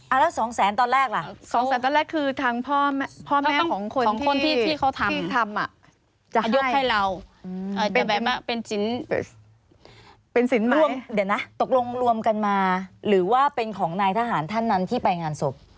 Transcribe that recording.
ะเดี๋ยวนะรวมกันมาหรือว่าเป็นของนายทหารท่านนั้นที่ไปงานศพ